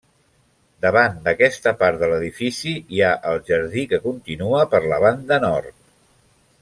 Davant d'aquesta part de l'edifici hi ha el jardí, que continua per la banda nord.